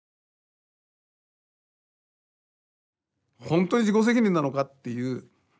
ほんとに自己責任なのかっていう。